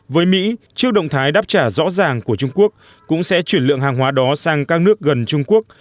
với mỹ trước động thái đáp trả rõ ràng của trung quốc cũng sẽ chuyển lượng hàng hóa đó sang các nước gần trung quốc